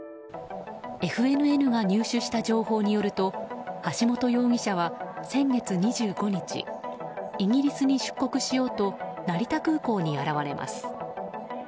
ＦＮＮが入手した情報によると橋本容疑者は先月２５日イギリスに出国しようと成田空港に現れます。